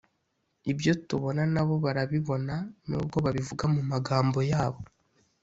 ibyo tubona na bo barabibona nubwo babivuga mu magambo yabo